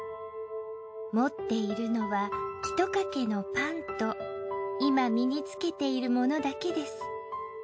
持っているのはひとかけのパンと今身につけているものだけです。